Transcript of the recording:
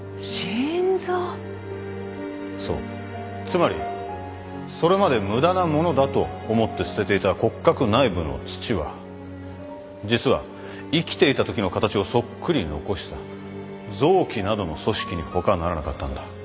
つまりそれまで無駄なものだと思って捨てていた骨格内部の土は実は生きていたときの形をそっくり残した臓器などの組織に他ならなかったんだ。